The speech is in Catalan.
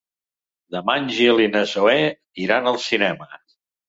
Demà en Gil i na Zoè iran al cinema.